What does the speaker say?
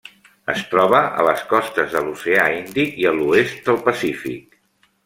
Es troba a les costes de l'Oceà Índic i a l'oest del Pacífic.